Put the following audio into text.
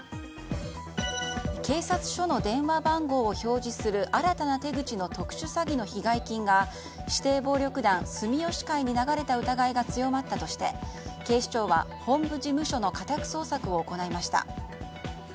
警察署の電話番号を表示する新たな手口の特殊詐欺の被害金が指定暴力団住吉会に流れた疑いが強まったとして警視庁は本部事務所の家宅捜索を行いました。